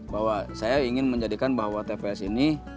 bahwa saya ingin menjadikan bahwa tps ini